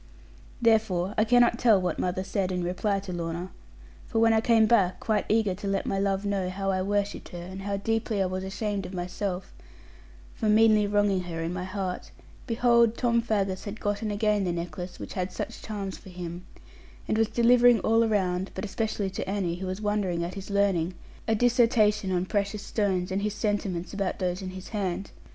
Therefore I cannot tell what mother said in reply to Lorna; for when I came back, quite eager to let my love know how I worshipped her, and how deeply I was ashamed of myself, for meanly wronging her in my heart, behold Tom Faggus had gotten again the necklace which had such charms for him, and was delivering all around (but especially to Annie, who was wondering at his learning) a dissertation on precious stones, and his sentiments about those in his hand.